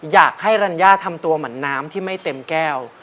อยากให้รัญญาทำตัวเหมือนน้ำที่ไม่เต็มแก้ว